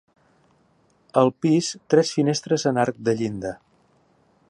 Al pis, tres finestres en arc de llinda.